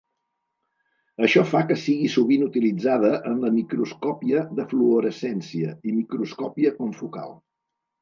Això fa que sigui sovint utilitzada en la microscòpia de fluorescència i microscòpia confocal.